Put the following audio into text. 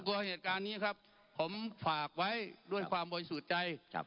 ผมกลัวเหตุการณ์นี้ครับผมฝากไว้ด้วยความบ่อยสูตรใจ